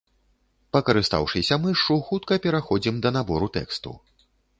Пакарыстаўшыся мышшу, хутка пераходзім да набору тэксту.